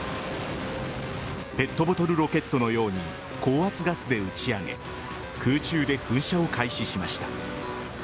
ペットボトルロケットのように高圧ガスで打ち上げ空中で噴射を開始しました。